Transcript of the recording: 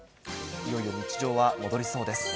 いよいよ日常は戻りそうです。